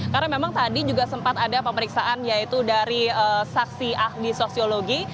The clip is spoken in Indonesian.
karena memang tadi juga sempat ada pemeriksaan yaitu dari saksi ahli sosiologi